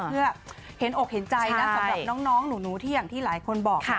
เพื่อเห็นอกเห็นใจนะสำหรับน้องหนูที่อย่างที่หลายคนบอก